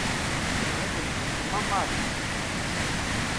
Ɣilen d uletma Marie.